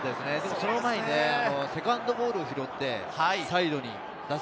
その前にセカンドボールを拾ってサイドに出す。